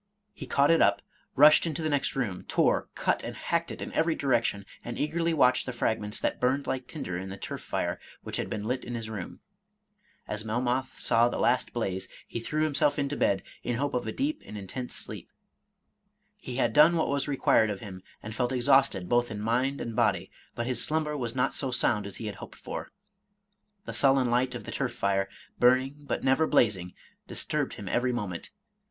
He caught it up, rushed into the next room, tore, cut, and hacked it in every direction, and eagerly watched the fragments that burned like tinder in the turf fire which had been lit in his room. As Melmoth saw the last blaze, 20I Irish Mystery Stories he threw himself into bed, in hope of a deep and intense sleep. He had done what was required of him, and felt exhausted both in mind and body ; but his slumber was not so sound as he had hoped for. The sullen light of the turf fire, burning but never blazing, disturbed him every moment.